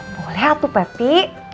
boleh atu pepi